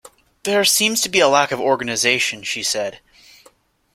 There seems to be a lack of organisation, she said